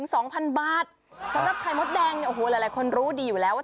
สำหรับไข่มดแดงเนี่ยโอ้โหหลายคนรู้ดีอยู่แล้วว่า